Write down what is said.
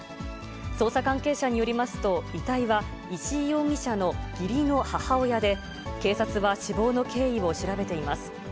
捜査関係者によりますと、遺体は石井容疑者の義理の母親で、警察は死亡の経緯を調べています。